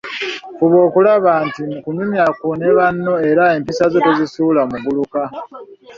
Fuba okulaba nti, mu kunyumya kwo ne banno era empisa zo tozisuula muguluka.